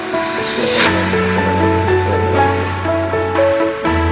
hujan bakal menghapus keselamatan